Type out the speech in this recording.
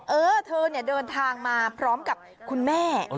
เออเธอเนี่ยเดินทางมาพร้อมกับคุณแม่